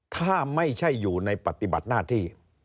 ถ้าไม่ใช่อยู่ในปฏิบัติหน้าที่